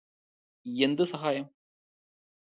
എന്ത് സഹായം